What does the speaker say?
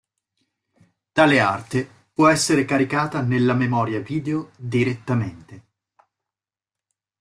Tale arte può essere caricata nella memoria video direttamente.